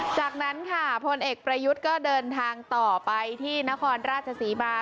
จากนั้นค่ะพลเอกประยุทธ์ก็เดินทางต่อไปที่นครราชศรีมา